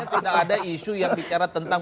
tidak ada isu yang bicara tentang